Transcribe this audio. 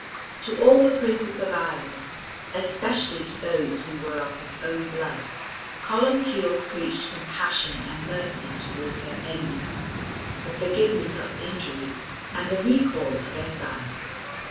To all the princes of Ireland, especially to those who were of his own blood, Columbcille preached compassion and mercy towards their enemies, the forgiveness of injuries, and the recall of exiles.